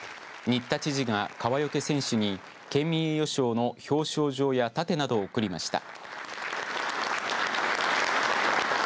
新田知事が川除選手に県民栄誉賞の表彰状や盾などを贈りました。